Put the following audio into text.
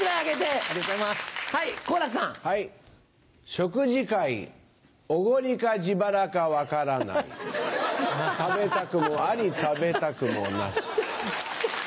食事会おごりか自腹か分からない食べたくもあり食べたくもなし。